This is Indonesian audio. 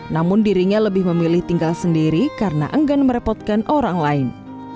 namun dirinya lebih memilih tinggal sendiri karena enggan merepotkan orang lain